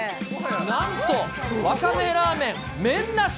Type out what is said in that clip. なんと、わかめラーメン麺なし。